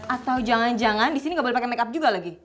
atau jangan jangan di sini gak boleh pakai makeup juga lagi